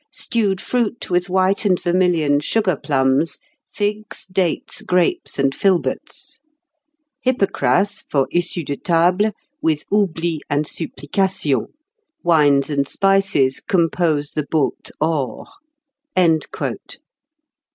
Stewed fruit with white and vermilion sugar plums; figs, dates, grapes, and filberts. "Hypocras for issue de table, with oublies and supplications. "Wines and spices compose the baute hors."